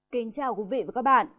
kính chào quý vị và các bạn